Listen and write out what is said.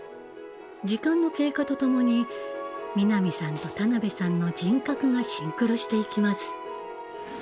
時間の経過とともに南さんと田辺さんの人格がシンクロしていきます。